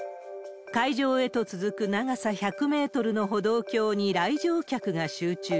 会場へと続く長さ１００メートルの歩道橋に来場客が集中。